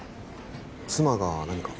妻が何か？